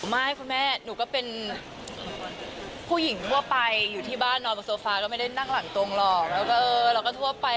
ไม่คุณแม่หนูก็เป็นผู้หญิงทั่วไป